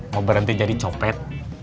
mau berenti jadi copet